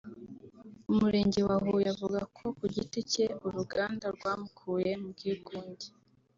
umurenge wa Huye avuga ko ku giti cye uruganda rwamukuye mu bwigunge